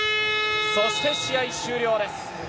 そして試合終了です。